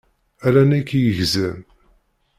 Ala nekk i yegzan.